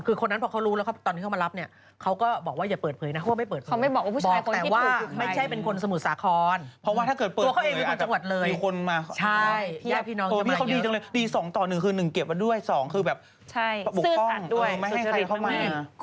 สองคือแบบประบุคล่องไม่ให้ใครเข้ามาเนี่ยสื่อสัตว์ด้วยสุชภิกษ์มาก